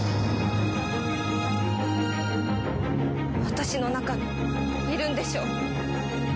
私の中にいるんでしょ？